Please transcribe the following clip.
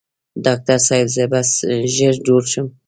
ډاکټر صاحب زه به ژر جوړ شم؟